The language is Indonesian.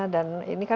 dan ini kan